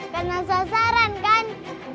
kena sasaran kan